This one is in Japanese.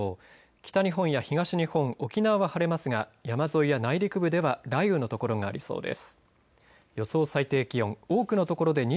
北日本や東日本沖縄は晴れますが山沿いや内陸部では雷雨のところがありそうです。